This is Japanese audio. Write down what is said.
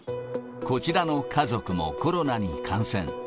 こちらの家族もコロナに感染。